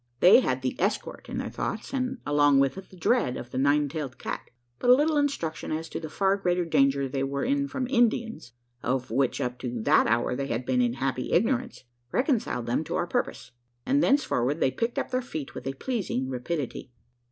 They had the escort in their thoughts, and along with it, the dread of the nine tailed cat. But a little instruction as to the far greater danger they were in from Indians of which up to that hour they had been in happy ignorance reconciled them to our purpose; and thenceforward they picked up their feet with a pleasing rapidity.